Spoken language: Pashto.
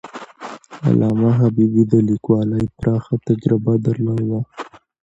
علامه حبيبي د لیکوالۍ پراخه تجربه درلوده.